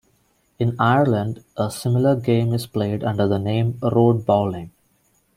In Ireland, a similar game is played under the name road bowling.